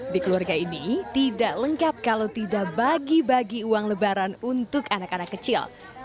di keluarga ini tidak lengkap kalau tidak bagi bagi uang lebaran untuk anak anak kecil